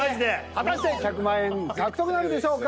果たして１００万円獲得なるでしょうか。